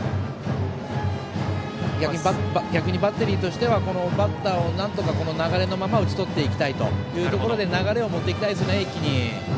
逆にバッテリーとしてはこのバッターを、この流れのまま打ち取っていきたいというところで一気に流れを持っていきたいですね。